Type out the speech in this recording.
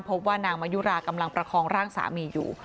พบว่านางมะยุรากำลังประคองร่างสามีอยู่